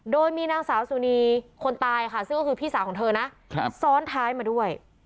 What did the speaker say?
โดยมีนางสาวสุนีคนตายค่ะซึ่งก็คือพี่สาวของเธอนะซ้อนท้ายมาด้วย